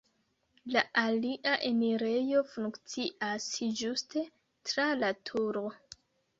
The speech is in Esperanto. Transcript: La alia enirejo funkcias ĝuste tra la turo.